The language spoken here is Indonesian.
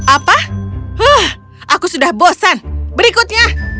apa aku sudah bosan berikutnya